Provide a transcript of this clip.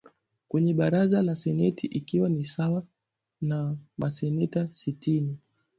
kwenye Baraza la seneti ikiwa ni sawa na maseneta sitini